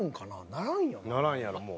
ならんやろもう。